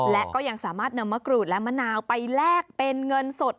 และก็ยังสามารถนำมะกรูดและมะนาวไปแลกเป็นเงินสด